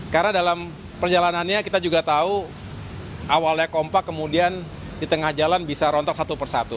karena dalam perjalanannya kita juga tahu awalnya kompak kemudian di tengah jalan bisa rontok satu persatu